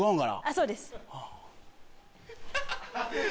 そうです。